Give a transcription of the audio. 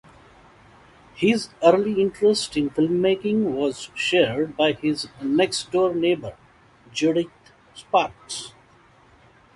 His early interest in filmmaking was shared by his next-door neighbour, Judith Sparks.